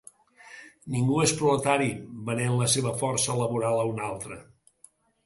Ningú és proletari, venent la seva força laboral a un altre.